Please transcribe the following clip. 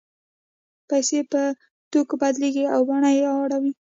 پیسې په توکو بدلېږي او بڼه یې اوړي